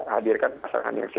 yang terakhir pak sandi dari saya